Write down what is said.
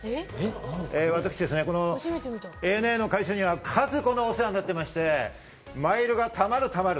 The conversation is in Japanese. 私、ＡＮＡの会社には数々お世話になっていまして、マイルがたまるたまる。